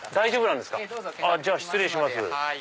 じゃあ失礼します。